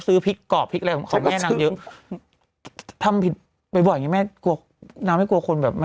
ปุ๊บปุ๊บปุ๊บปุ๊บปุ๊บ